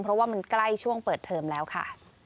เพราะว่ามันใกล้ช่วงเปิดเทอมแล้วค่ะ